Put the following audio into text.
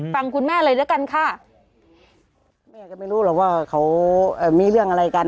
ฟังคุณแม่เลยด้วยกันค่ะแม่ก็ไม่รู้หรอกว่าเขามีเรื่องอะไรกัน